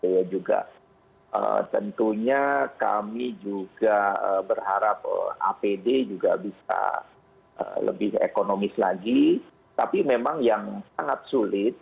ya juga tentunya kami juga berharap apd juga bisa lebih ekonomis lagi tapi memang yang sangat sulit